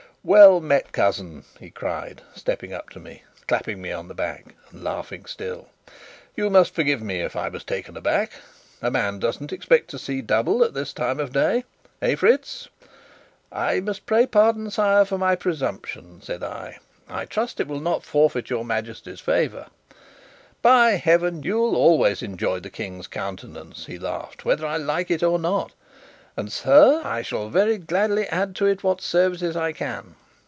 "Well met, cousin!" he cried, stepping up to me, clapping me on the back, and laughing still. "You must forgive me if I was taken aback. A man doesn't expect to see double at this time of day, eh, Fritz?" "I must pray pardon, sire, for my presumption," said I. "I trust it will not forfeit your Majesty's favour." "By Heaven! you'll always enjoy the King's countenance," he laughed, "whether I like it or not; and, sir, I shall very gladly add to it what services I can.